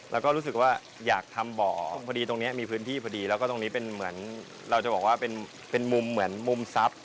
แล้วก็รู้สึกว่าอยากทำบ่อพอดีตรงนี้มีพื้นที่พอดีแล้วก็ตรงนี้เป็นเหมือนเราจะบอกว่าเป็นมุมเหมือนมุมทรัพย์